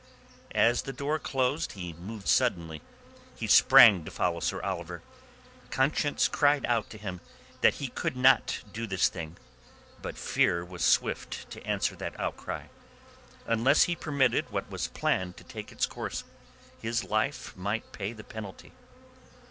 As the door closed he moved suddenly. He sprang to follow Sir Oliver. Conscience cried out to him that he could not do this thing. But Fear was swift to answer that outcry. Unless he permitted what was planned to take its course, his life might pay the penalty.